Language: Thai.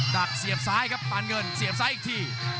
ดักเสียบซ้ายครับปานเงินเสียบซ้ายอีกที